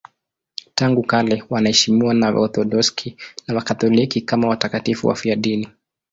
Tangu kale wanaheshimiwa na Waorthodoksi na Wakatoliki kama watakatifu wafiadini.